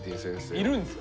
いるんですか？